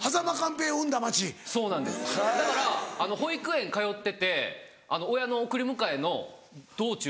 だから保育園通ってて親の送り迎えの道中。